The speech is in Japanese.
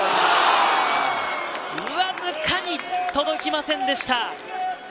わずかに届きませんでした。